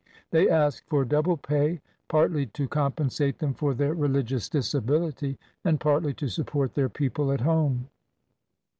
They asked for double pay partly to compensate them for their religious disability, and partly to support their people at home.